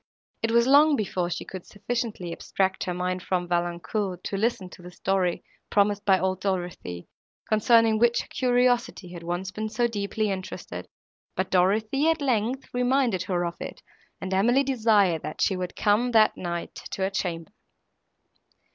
It was long before she could sufficiently abstract her mind from Valancourt to listen to the story, promised by old Dorothée, concerning which her curiosity had once been so deeply interested; but Dorothée, at length, reminded her of it, and Emily desired, that she would come, that night, to her chamber.